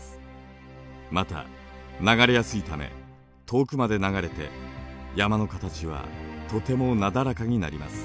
また流れやすいため遠くまで流れて山の形はとてもなだらかになります。